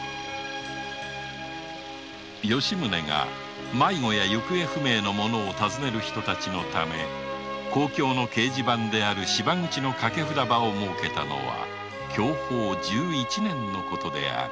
吉宗が迷子や行方不明の者を尋ねる人たちのため公共の掲示板である芝口の掛札場を設けたのは享保十一年のことである